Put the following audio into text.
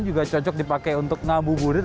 juga cocok dipakai untuk ngabuburit